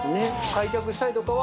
開脚したりとかは？